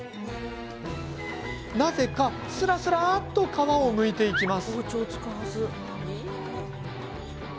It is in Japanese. なぜか、すらすらっと皮をむいていきます。